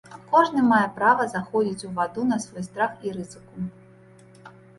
Кожны мае права заходзіць у ваду на свой страх і рызыку.